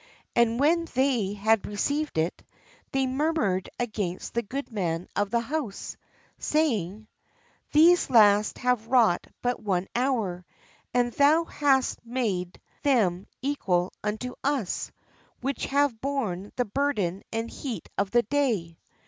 And when they had received it, they murmured against the 32 LABOURERS IN THE VINEYARD goodman of the house, saying : "These last have wrought but one hour, and thou hast made them equal unto us, which have borne the burden and heat of the day."